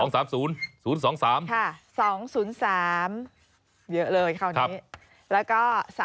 ค่ะ๒๐๓เยอะเลยคราวนี้แล้วก็๓๐๒